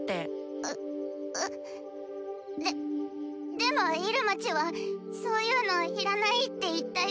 ででも入間ちはそういうの要らないって言ったよ？